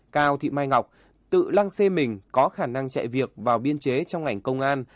cao thị mai ngọc tự lăng xê mình có khả năng chạy việc vào biên chế trong ngành công an